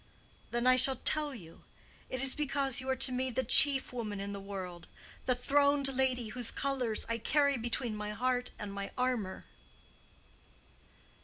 "Then I shall tell you. It is because you are to me the chief woman in the world—the throned lady whose colors I carry between my heart and my armor."